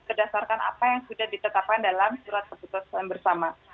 berdasarkan apa yang sudah ditetapkan dalam surat keputusan bersama